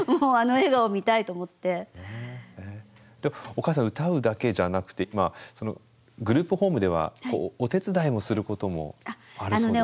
お母さん歌うだけじゃなくて今グループホームではお手伝いもすることもあるそうですね。